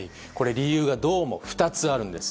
理由が、どうも２つあるんです。